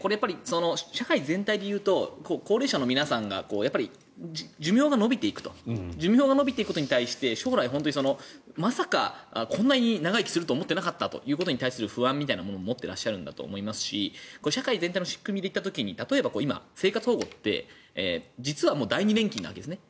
社会全体でいうと高齢者の皆さんが寿命が延びていくということに対して将来、まさかこんなに長生きすると思っていなかったということに対する不安を持っているんだと思いますし社会全体の仕組みで言った時に例えば今、生活保護って第２年金のわけですね。